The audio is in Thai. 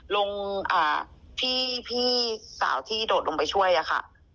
ลงพี่สาวที่โดดลงไปช่วยอะค่ะ